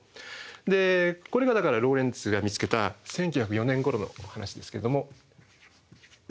でこれがだからローレンツが見つけた１９０４年ごろの話ですけども。